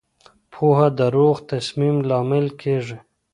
پوهه د روغ تصمیم لامل کېږي.